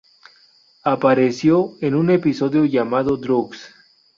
Apareció en un episodio llamado "Drugs".